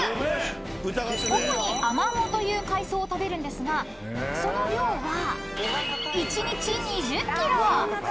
［主にアマモという海草を食べるんですがその量は１日］